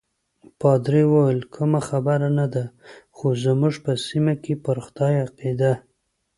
پادري وویل: کومه خبره نه ده، خو زموږ په سیمه کې پر خدای عقیده.